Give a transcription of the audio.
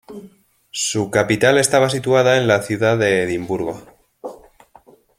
Su capital estaba situada en la ciudad de Edimburgo.